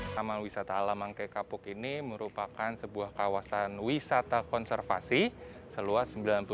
sama wisata alam angke kapuk ini merupakan sebuah kawasan wisata konservasi seluas sembilan puluh sembilan delapan